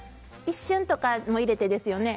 一瞬とかも入れてですよね？